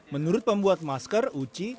menurut pembuat masker uci